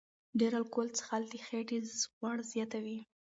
ډېر الکول څښل د خېټې غوړ زیاتوي.